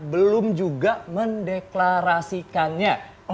belum juga mendeklarasikannya